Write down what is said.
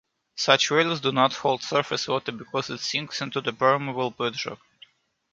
Such valleys do not hold surface water because it sinks into the permeable bedrock.